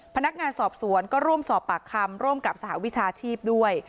พนักงานสอบสวนก็ร่วมสอบปากคำร่วมกับสหวิชาชีพด้วย